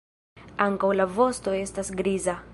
Ankaŭ la vosto estas griza.